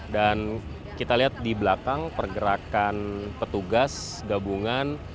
dan kita lihat di belakang pergerakan petugas gabungan